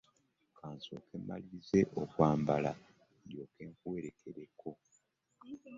Kansooke malirize okwambala ndoke nkuwerkereko.